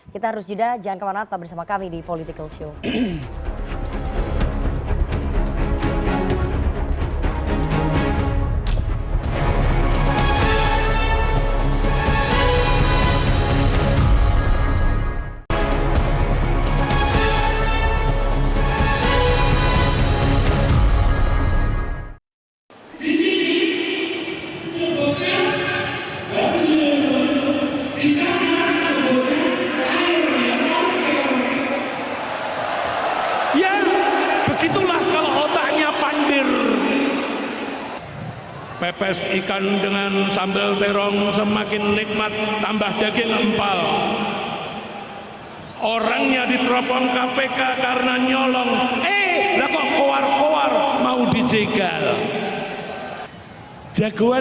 kita harus juda jangan kemana mana tetap bersama kami di political show